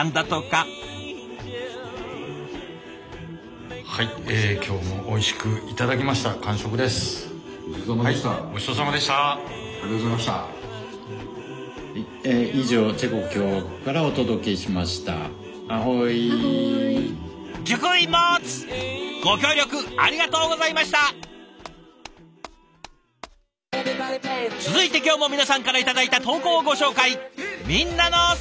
続いて今日も皆さんから頂いた投稿をご紹介。